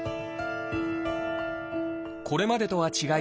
これまでとは違い